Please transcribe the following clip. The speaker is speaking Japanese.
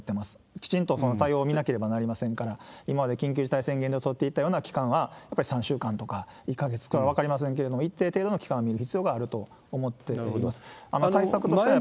きちんとその対応を見なければなりませんから、今まで緊急事態宣言で取っていたような期間はやっぱり３週間とか、１か月とかというのは分かりませんけれども、一定程度の期間を取る必要があると思ってます。